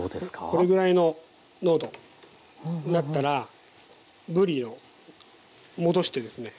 これぐらいの濃度なったらぶりを戻してですね。